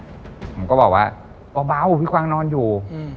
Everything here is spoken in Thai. ผมก็บอกว่าเบาพี่กวางนอนอยู่